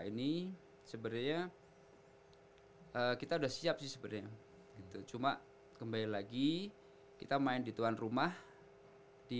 ini sebenarnya kita udah siap sih sebenarnya gitu cuma kembali lagi kita main di tuan rumah di